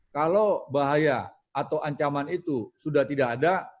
kalau bahaya atau ancaman itu sudah tidak ada